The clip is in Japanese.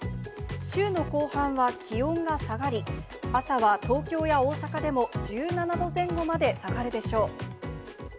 週の後半は気温が下がり、朝は東京や大阪でも１７度前後まで下がるでしょう。